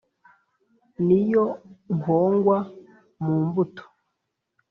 ni yo nkongwa mu mbuto